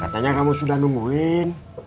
katanya kamu sudah nungguin